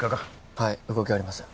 はい動きありません